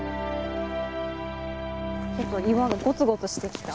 ちょっと岩がゴツゴツしてきた。